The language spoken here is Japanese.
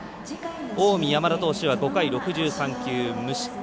近江、山田投手は５回６３球、無失点。